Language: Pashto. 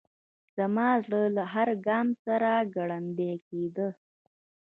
زما زړه له هر ګام سره ګړندی کېده.